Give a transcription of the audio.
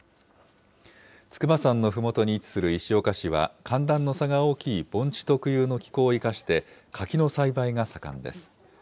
筑波山のふもとに位置する石岡市は寒暖の差が大きい盆地特有の気候を生かして、柿の栽培が盛んです。